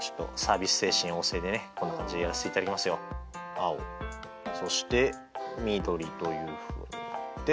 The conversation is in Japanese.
青そして緑というふうになって。